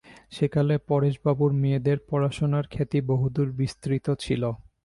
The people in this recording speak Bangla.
সেকালে পরেশবাবুর মেয়েদের পড়াশুনার খ্যাতি বহুদূর বিস্তৃত ছিল।